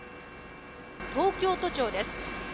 東京都庁です。